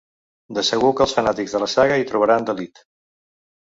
De segur que els fanàtics de la saga hi trobaran delit.